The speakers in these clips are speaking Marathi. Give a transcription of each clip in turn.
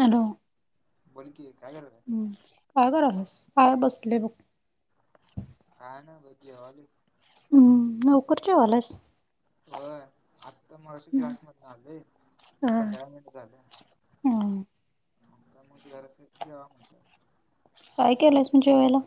हॅलो बोल की काय करायलास. काय बसले बघ. काय नाय बघ जेवालोय. हम्म लवकर जेवायलास. होय. तर मगाशी क्लास मधून आलोय हा. पंधरा मिनिट झाले. हम्म का मग घराच [unintelligible] काय केलंयसा म जेवायला?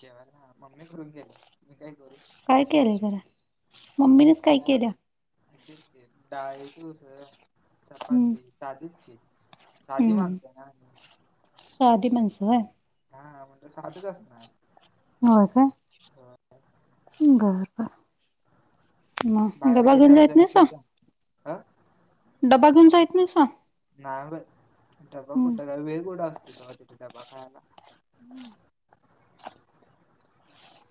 जेवायला मम्मी करून गेल्या,, मी काय करू? काय केलय खरं,,, मम्मीनेच काय केल्या? असच ते डाळीची उसळं हम्म चपाती, साधीच की. साधी हम्म माणसं आहे ना आम्ही,,, साधी माणसं होय हा म्हणल्याव साधचं असणार. होय काय, होय बर बर. मग, डबा घेऊन जायेत नाहिसा? आऽ डबा घेऊन जाईत नाही सा. नाही बाई, डबा कुठं वेळ कुठं असतो तेवा तिथं डबा खायला. हम्म.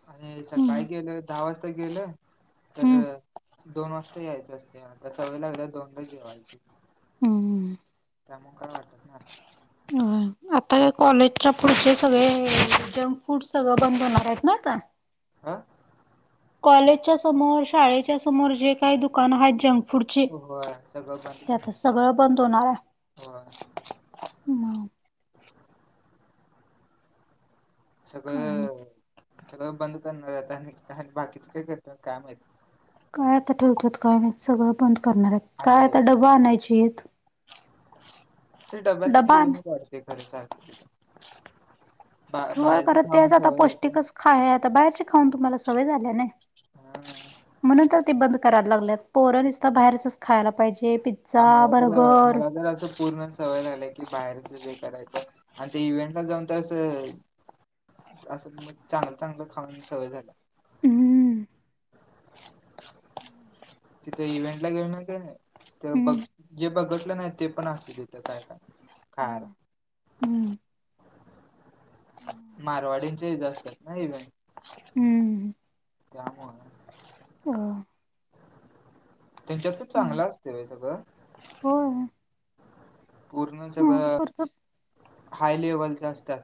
आणि सकाळी हम्म गेलं दहा वाजता गेलं तर हम्म दोन वाजता यायचं असतय, आता सवय लागल्या दोनला जेवायची. हम्म हम्म. त्यामुळं काय वाटत नाही आता. होय. आता ह्या कॉलेजच्या पुढचे सगळे जंक फूड सगळं बंद होणार आहेत ना आता. आऽ कॉलेजच्या समोर शाळेच्या समोर जे काय दुकानं हाय जंक फुडची,, होय सगळं बंद ते आता करणार सगळं बंद होणाराय. होय हम्म. काय नाही सगळं सगळ बंद करणार आहेत आणि बाकीच काय करत्यात काय माहित. काय आता ठेवत्यात काय माहित,, सगळं बंद करणार हायत. काय आणि आता डबं आणायचीत,,, डबा आण ते खरे सारखं, बा होय बाहेरच खरं खाऊन तेच आता सवय होत्या काय? पौष्टिकच खाय आता बाहेरची खाऊन तुम्हाला सवय झाल्या नाही. हा ह म्हणून तर ते बंद करायला लागलेत,, पोरं निसता बाहेरचच खायला पायजे,, पित्त आमाला तर, मला तर असं पूर्ण सवय झालंय की बाहेरच जे करायचं आणि ते इव्हेंट ला जाऊन तरं असं, चांगलं चांगलं खाऊन सवय झालय. हम्म. ह [inaudible] तिथे इव्हेंट ला गेऊ ना का नाही ते बघ हम्म जे बघितलं नाही ते पण आसतय तिथं काय काय खायाला. होय हम्म मारवाडींच्या इथं असतात ना इवेंट. हम्म त्यामुळं. त्यच्यात पण चांगलं असतय बाई सगळं. होय पूर्ण सगळं हम्म हाय लेव्हलचा अस्तात,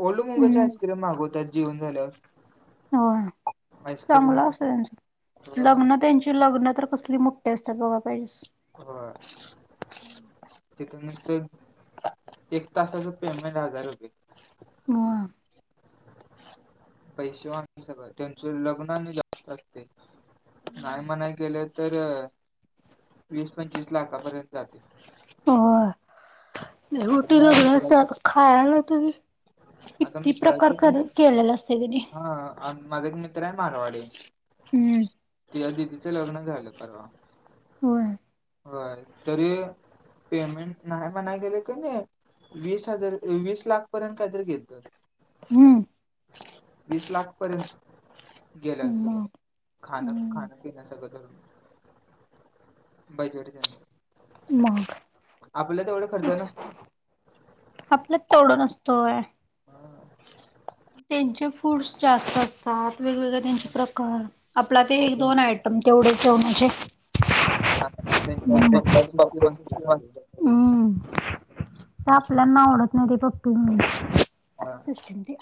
ओलड मुंबईचा आईस्क्रीम मागवत्यात जीऊन झाल्यावर. होय, आईस्क्रीम चांगलं असतय त्यांच,, होय लग्नं त्यांची लग्नं तर कसली मुठ्ठी अस्तात बघाय पायजेस. होय. तिथं नुसतं, एक तासाच पेमेंट हजार हुतय. म पैसे मागते सगळ त्यांचं लग्न आणि जास्त असते नाही मणाय गेलं तर वीस पंचवीस लाखापर्यंत जाते हो आता रोटी माझ्या लागली मित्राचे असतीआता खायला तरी आता किती प्रकार मित्राचे पण कर केलेला असत की नाही हा माझा एक मित्र आहे मारवाडी हम्म तिया दिदीचं लग्न झालं परवा होय होय तरी पेमेंट नाही म्हणाय गेले त्यांनी वीस हजार वीस लाख पर्यंत काहीतरी घेतल हम्म. होत वीस लाख पर्यंत गेल्या सगळं मग खाण हम्म. खाण पिण सगळं धरून बैजेट त्यांचं मग आपलं तेवढं खर्च नसतो. ना. आपल्यात तेवढ नसतोय हा त्यांचे फूड्स जास्त असतात वेगवेगळे त्यांचे हा. प्रकार आपला ते एक दोन अॅड पण तेवढे तेेवणच हे हाा त्यांच्या फक्त सिस्टीम असतं तेवढ हम्म ते आपल्याना आवडत नाही ते पप्पी मी हा सिस्टीम ते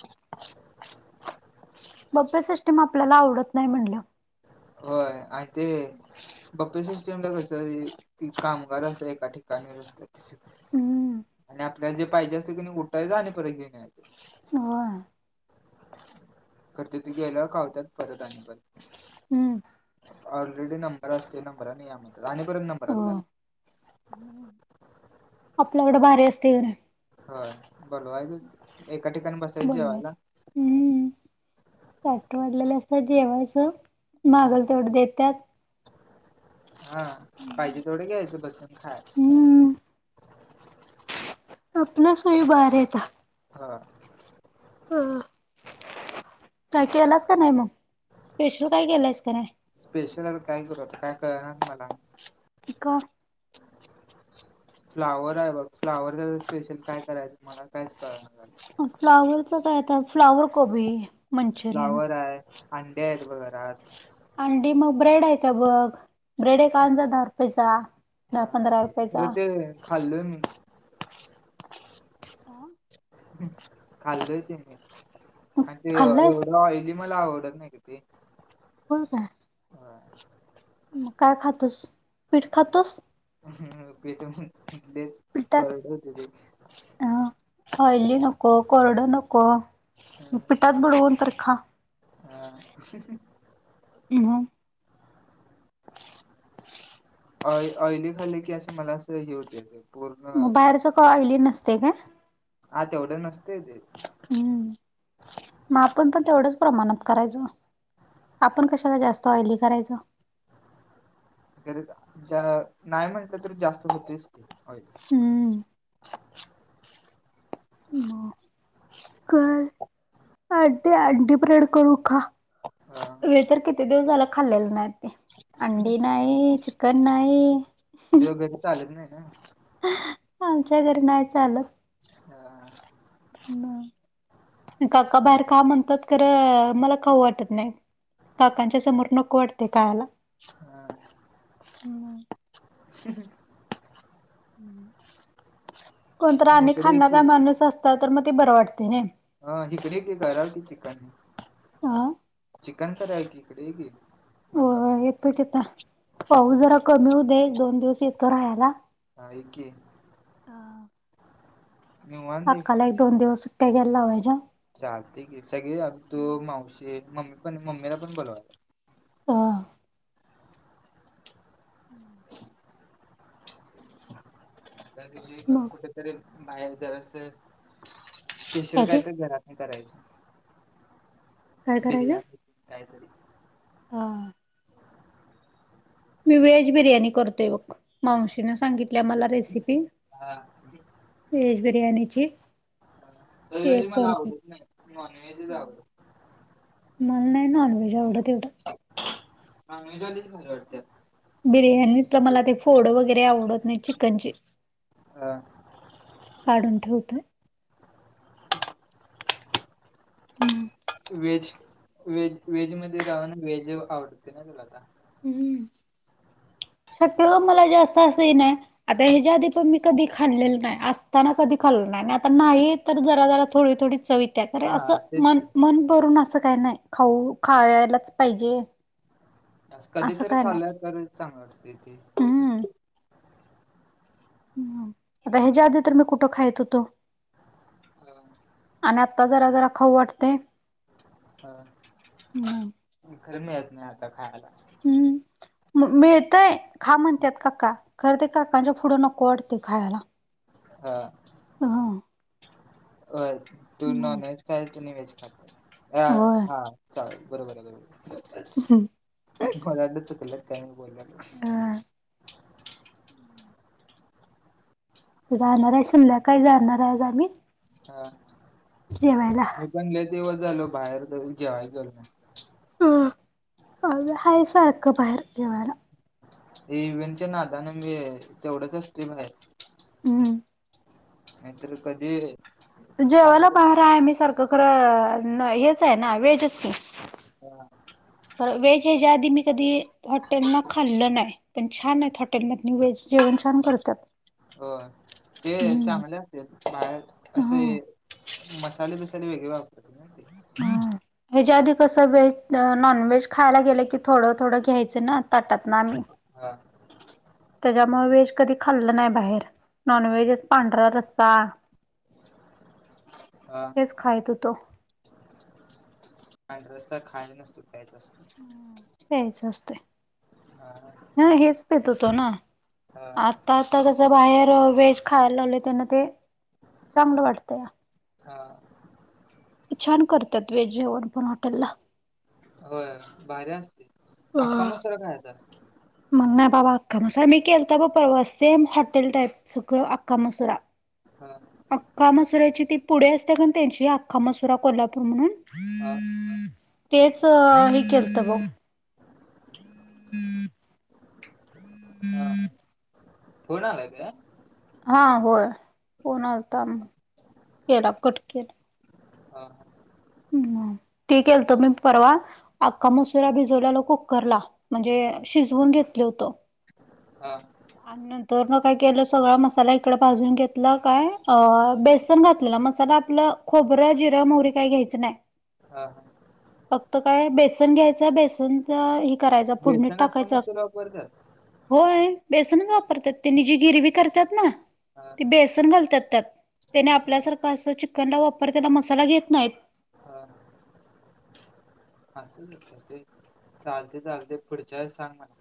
बप्पे सिस्टीम आपल्याला आवडत नाही म्हणलं होय आणि ते बप्पे सिस्टमला कस कामगार असं एका ठिकाणीच असतात हम्म आणि आपल्याला जे पाहिजे असते कणी उठायच आणि परत घेऊन यायचं होय करते ती गेल्यावर खावतात परत आणि पर हम्म ऑलरेडी नंबर असते नंबर नाही आम् आणिपर्ंत नंबर होय आपल्याकडं भारी असते गरे होय बरोबर आहे एका ठिकाणी बस बोल बर हम् ताट वाढलेले असतात जेवायचं ह मागल तेवढे देतात हा पाहिजे तेवडे घ्यायच बसून खायचं हम्म आपल्या सोई भारि हे त हा आ काय केलास का नाही मग स्पेशल काय केलंयस का नाही स्पेशल आता काय करू आता काय कळणाचं मला का फ्लावर आहे बघ फ्लाॉवर त्याच स्पेशल काय करायचं मला काहीच कळाणा फ्लावरच काय आता फ्लावर कोबी मंचुरियन फ्लॉवर आहे अंडी आहेत बघ घरात अंडी मग ब्रेड आहे त बघ ब्रेड एक आण जा दहा रुपयेचा दहा हा पंधरा खर रुपयेचा ते खाल्लोय मी आ खाल्लय ते मी मग आणि ते खाल्लायस एवढं ऑइली मला आवडत नाही ग ते होय काय होय मग काय खातोस पीठ खातोस ह पीठ पिठात कोरड होते ते पीठ अ ऑईली नको कोरड नको पिठात बुडवून तर खा हा [inaudible] ऑईली खाली की असं मला असं हे होत मग बाहेरच काय ऑईली नसतय काय हा तेवढं नसते ते हम्म मग आपण पण तेवढंच प्रमाणात करायचं आपण कशाला जास्त ऑइली करायचं नाही म्हटलं तर जास्त होतेच ओईली हम्म मग कर अंडी अंडी ब्रेड करून खा हा मी तर किती दिवस झाला खाल्लेलं नाही ते अंडी नाही चिकन नाही तुझ्याघरी चालत नाही ना आमच्या घरी नाही चालंत ह काका बाहेर का म्हणतात तर मला खाऊ वाटत नाही काकांच्या समोर नको वाटते खायला हम्म. हा कोणतर मी आणि इकडे ये की खाणारा माणूस असता तर मग ते बरं वाटतय रे हा हिकडे ये कि करूया कि चिकन अ चिकन करूया की हिकडे ये की हो मनकाप येतो तिथं पाऊस जरा कमी होऊ दे दोन दिवस येतो राहायला हा ये की निवांत ये अक्काला एक दोन दिवस सुट्ट्या घ्यायला लावायच्या चालते की सगळे या तू मावशी मम्मी पण मम्मीला पण बोलवा ह म [inaudible] मग कुठेतरी बाहेर जरास स्पेशल काय ते काहीतरी करा करायच काय बिर्याणी कायतरी हां मी व्हेज बिर्याणी करतोय बघ मावशीने सांगितल ल्या मला रेसिपी हा व्हेज बिर्याणीची ते व्हेज एक मला करते आवडत नाही नॉनव्हेजच आवडत मला नाही नॉनव्हेज आवडत एवढं नॉनव्हेज वालीच भारी वाटत्यात बिर्याणीतलं मला ते फोड वगैरे आवडत नाही चिकनची हा! काढून ठेवतोय. म! व्हेज वेज वेज मध्ये रावा ना व्हेज अ आवडते ना तुला आता. ऊ! शक्यतो मला जास्त असं हे नाही. आता ह्याच्या आधी तुम्ही कधी खाल्लेलं नाय, असताना कधी खाल्ल नाही, आता नाही तर जरा जरा थोडी थोडी. चव येत्या करे हा असं तेच मन की मन भरून असं काही नाही, खाऊ खायलाच पाहिजे असं कधीतरी खाल्या तरी चांगल असतय ते. हं! आता हेज्या आधी तर मी कुठं खायीत हुतो. [unintelligible] आनी आत्ता जरा जरा खाऊ वाटतय. हं खरं मिळत नाही आता खायांला. हू! म-मिळतय खा म्हणत्यात काका, खरं ते काकांच्या पुढं नको वाटतय खायाला. हा! ह! होय तू नॉनव्हेज खाय तेनी व्हेज खात्या अ होय हा चालल बरोबर हे बरोबर. [unintelligible] कोणाला वाटलं चुकलं काय मी बोला त. अ राहणार आहे संध्याकाळी जाणार आहे ग आम्ही. हा! जेवायला? मी पण लय दिवस झालो बाहेर कधी जेवाया गेलो नाही. आमच हाय सारखं बाहेर जेवायला. ते इव्हेंटच्या नादाने मी तेवढंच असतोय बाहेर. हूं! नाहीतर कधी. जेवायला बाहेर आहे आम्ही सारखं खरं न हेच आहे ना व्हेजच की. हा! कार व्हेज ह्याच्या आधी मी कधी हॉटेल ना खाल्लं नाही पण छान आहेत हॉटेल मधन व्हेज जेवण छान करतात. होयं ते हम्म चांगले असत्यात बाहेर असे ह मसाले बीसाले वेगळे वापरता ना ते. हा! हेच्या आधी कसं व्हेज, नॉन व्हेज खायला गेलं की थोडं थोडं घ्यायचं ना ताटातन आम्ही. हा! त्याच्यामुळ व्हेज कधी खाल्लं नाही बाहेर. नॉनव्हेजच पांढरा रस्सा हेच खायत होतो. पांढरा रस्सा खायचा नसतोय, प्यायचा असतोय. प्यायचा हा असतोयं हा हेच पीत होतो ना. हा आता आता कस बाहेर व्हेज खायला लागलोय त्यान ते. चांंगलं वाटतया. हा छान करत्यात व्हेज जेवण पण हॉटेलला होय भारी असतय अक्का मसुरा खायचा मला नाही बाबा अख्खा मसुरा मी केलता बघ परवा सेम हॉटेल टाईप सगळ अख्का मसुरा हा अख्खा मसुरा्याची ती पुढे असते का त्यांची अख्खा मसुरा कोल्हापूर म्हणून हा तेच हे केलत बघ हा फोन आलाय का हा होय फोन आलाता ना केला कट केला हा ह ते केलत मी परवा अख्खा हा मसुरा भिजवल्याला कुक्कर ला म्हणजे हा शिजवून घेतलं होतं हा आ नंत तर न काय केलं सगळा मसाला इकडं भाजून घेतलं काय अ बेसन घातलेलं मसाला आपलं खोबरं जिरां मोहरी काही घ्यायचं नाही हा हा फक्त काय बेसन घ्यायचं बेसनच हे करायच फोडणीत बेसन टाकायचं अक्कामसोल वापरतात? होय बेसनचं वापरतात तिने जी गिरवी करतात ना हा ते बेसन घालतात त्यात त्याने हा आपल्यासारखं असं चिकनला वापर त्याला मसाला घेत नाहीत हां असच होत ते चालते चालते पुढच्या वेळेस सांग मला